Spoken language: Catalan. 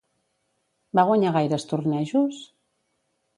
Va guanyar gaires tornejos?